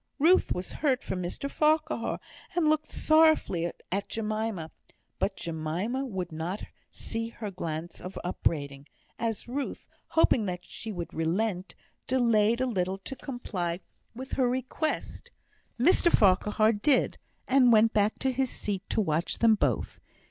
Ruth was hurt for Mr Farquhar, and looked sorrowfully at Jemima; but Jemima would not see her glance of upbraiding, as Ruth, hoping that she would relent, delayed a little to comply with her request. Mr Farquhar did; and went back to his seat to watch them both.